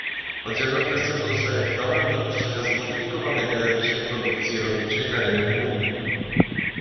Oddzielną kwestią pozostaje problem dopuszczenia zmodyfikowanej genetycznie produkcji rolniczej na rynek Unii